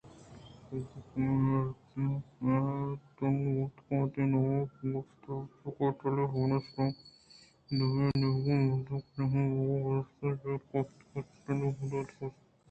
کاف کمے مہتل بوت کہ وتی نام ءَ بہ گیپت پرچا کہ آ ٹیلی ءِ فون ءِ آسرءَ اَت ءُدومی نیمگءَ مرد کجام ہم وہد ءَ گیشتر زہر گپت کنت ءُٹیلی فون ءَ بند کُت کنت